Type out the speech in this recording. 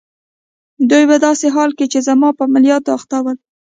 دوی په داسې حال کې چي زما په عملیاتو اخته ول.